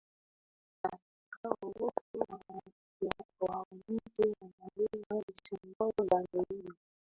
nataka uvote wa unity unajua ni symbol gani hiyo